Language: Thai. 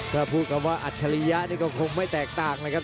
ถ้าพูดคำว่าอัจฉริยะนี่ก็คงไม่แตกต่างนะครับ